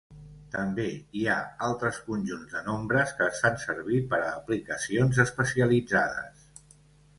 També hi ha altres conjunts de nombres que es fan servir per a aplicacions especialitzades.